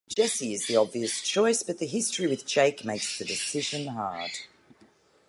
Jesse is the obvious choice, but the history with Jake makes the decision hard.